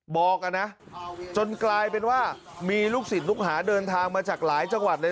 บอกกันนะจนกลายเป็นว่ามีลูกศิษย์ลูกหาเดินทางมาจากหลายจังหวัดเลย